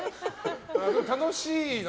楽しいな。